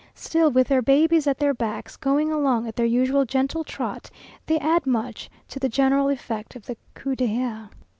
Still, with their babies at their backs, going along at their usual gentle trot, they add much to the general effect of the coup d'oeil.